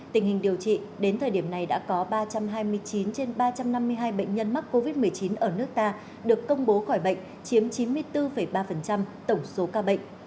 tình hình điều trị đến thời điểm này đã có ba trăm hai mươi chín trên ba trăm năm mươi hai bệnh nhân mắc covid một mươi chín ở nước ta được công bố khỏi bệnh chiếm chín mươi bốn ba tổng số ca bệnh